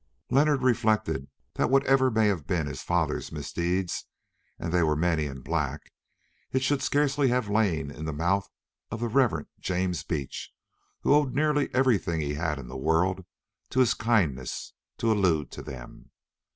Leonard reflected that whatever may have been his father's misdeeds, and they were many and black, it should scarcely have lain in the mouth of the Rev. James Beach, who owed nearly everything he had in the world to his kindness, to allude to them.